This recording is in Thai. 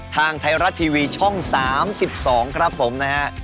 ทางไทยรัฐทีวีช่อง๓๒ครับผมนะฮะ